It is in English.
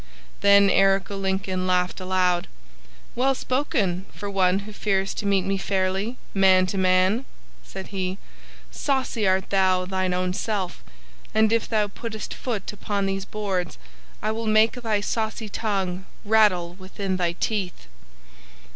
Then Eric o' Lincoln laughed aloud. "Well spoken for one who fears to meet me fairly, man to man," said he. "Saucy art thou thine own self, and if thou puttest foot upon these boards, I will make thy saucy tongue rattle within thy teeth!"